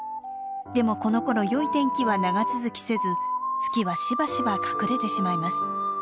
でもこのころよい天気は長続きせず月はしばしば隠れてしまいます。